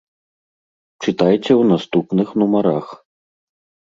Чытайце ў наступных нумарах.